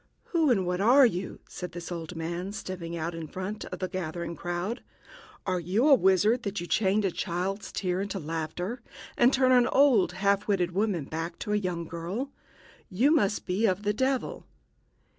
"Who and what are you?" said this old man, stepping out a little in front of the gathering crowd. "Are you a wizard, that you change a child's tears into laughter, and turn an old half witted woman back to a young girl? You must be of the devil...."